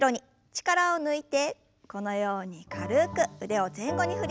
力を抜いてこのように軽く腕を前後に振りましょう。